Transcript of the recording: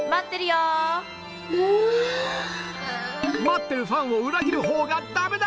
待ってるファンを裏切るほうがダメだ！